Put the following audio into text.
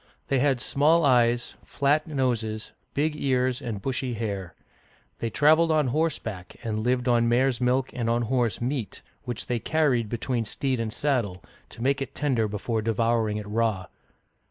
They had small eyes, flat noses, big ears, and bushy hair. They traveled on horseback, and lived on mares* milk and on horse meat, which they carried between steed and saddle, to make it tender before devouring it raw.